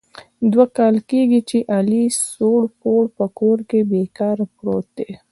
دوه کال کېږي چې علي سوړ پوړ په کور کې بې کاره پروت دی.